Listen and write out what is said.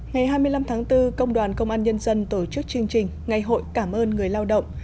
ngày hai mươi năm tháng bốn công đoàn công an nhân dân tổ chức chương trình ngày hội cảm ơn người lao động